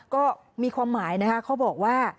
ก็มีความหมายนะคะเขาบอกว่า